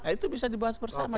itu bisa dibahas bersama